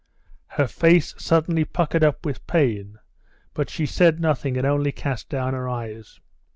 Her face suddenly puckered up with pain, but she said nothing and only cast down her eyes.